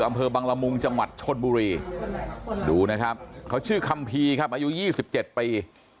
อำเภอบังละมุงจังหวัดชนบุรีดูนะครับเขาชื่อคัมภีร์ครับอายุ๒๗ปี